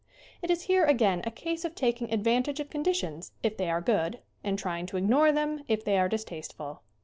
It is here, again, a case of taking advantage of conditions if they are good, and trying to ignore them if they are distasteful.